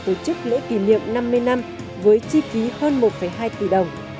nhà trường này dừng ngay việc tổ chức lễ kỷ niệm năm mươi năm với chi ký hơn một hai tỷ đồng